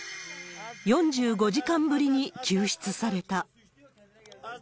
４５時間ぶりに救出された。